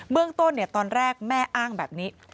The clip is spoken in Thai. เรื่องต้นตอนแรกแม่อ้างแบบนี้